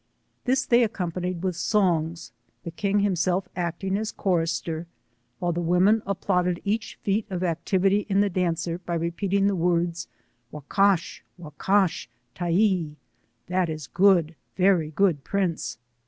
This they accompanied with songs, the king himself acting as chorister, while the women applauded eRch feat of activity in the dancer, by repeating the words, IVocash! JVocash Ti/ee ! that is good ! very good prince.